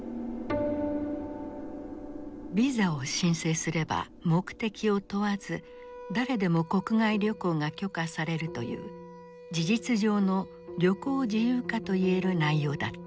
ビザを申請すれば目的を問わず誰でも国外旅行が許可されるという事実上の旅行自由化といえる内容だった。